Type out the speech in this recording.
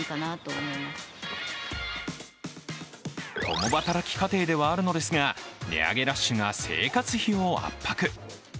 共働き家庭ではあるのですが値上げラッシュが生活費を圧迫。